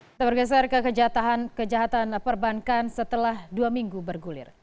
kita bergeser ke kejahatan perbankan setelah dua minggu bergulir